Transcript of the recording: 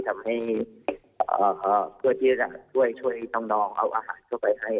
ทำให้พวกที่รักช่วยช่วยน้องเอาอาหารเข้าไปให้